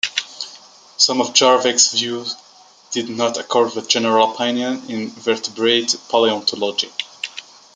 Some of Jarvik's views did not accord with general opinion in vertebrate paleontology.